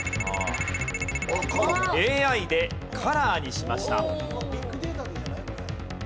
さあＡＩでカラーにしました。